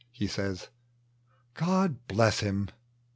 He saya, " God bless him